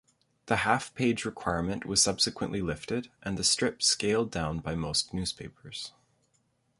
The half-page requirement was subsequently lifted, and the strip scaled down by most newspapers.